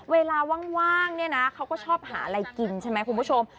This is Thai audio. เวลาว่างเนี่ยนะเขาก็ชอบหาอะไรกินใช่ไหมคุณผู้ชม